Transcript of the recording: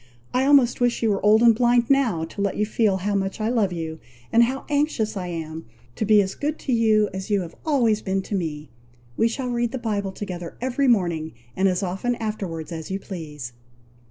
I almost wish you were old and blind now, to let you feel how much I love you, and how anxious I am to be as good to you as you have always been to me. We shall read the Bible together every morning, and as often afterwards as you please."